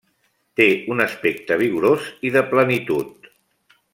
Té un aspecte vigorós i de plenitud.